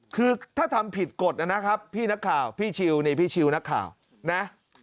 คือถ้าทำผิดกฎนะครับพี่นักข่าวพี่ชิวนี่พี่ชิวนักข่าวนะ